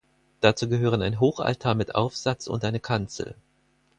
Dazu gehören ein Hochaltar mit Aufsatz und eine Kanzel.